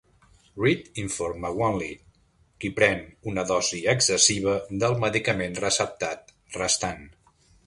Reed informa Wanley, qui pren una dosi excessiva del medicament receptat restant.